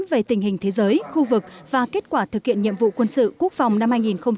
về tình hình thế giới khu vực và kết quả thực hiện nhiệm vụ quân sự quốc phòng năm hai nghìn một mươi chín